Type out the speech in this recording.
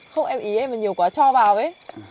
không em ý em là nhiều quá cho vào ý